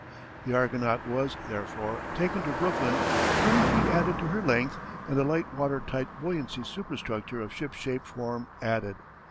The Argonaut was, therefore, taken to Brooklyn, twenty feet added to her length, and a light water tight buoyancy superstructure of ship shape form added.